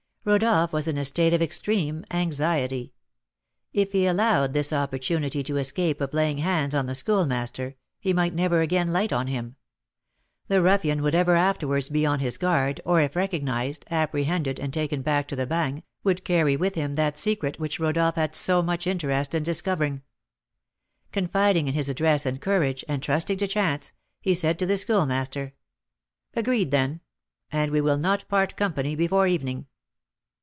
Rodolph was in a state of extreme anxiety; if he allowed this opportunity to escape of laying hands on the Schoolmaster, he might never again light on him. The ruffian would ever afterwards be on his guard, or if recognised, apprehended, and taken back to the Bagne, would carry with him that secret which Rodolph had so much interest in discovering. Confiding in his address and courage, and trusting to chance, he said to the Schoolmaster: "Agreed, then; and we will not part company before evening."